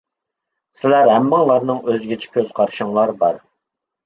سىلەر ھەممىڭلارنىڭ ئۆزگىچە كۆز قارىشىڭلار بار.